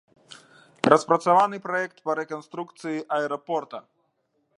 Распрацаваны праект па рэканструкцыі аэрапорта.